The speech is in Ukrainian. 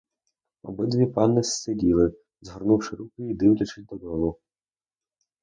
Обидві панни сиділи, згорнувши руки й дивлячись додолу.